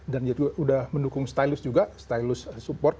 dan dia juga sudah mendukung stylus juga stylus support